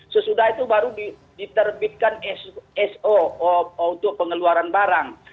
sesudah itu baru diterbitkan so untuk pengeluaran barang